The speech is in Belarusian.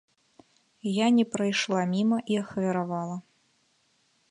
Я не прайшла міма і ахвяравала.